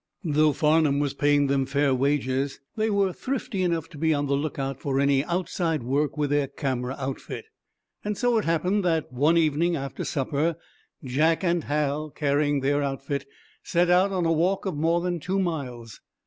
Though Farnum was paying them fair wages, they were thrifty enough to be on the lookout for any outside work with their camera outfit. So it happened that, one evening after supper, Jack and Hal, carrying their outfit, set out on a walk of more than two miles.